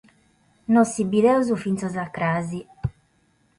no si bieus fintzas a cras